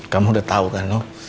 kamu udah tahu kan no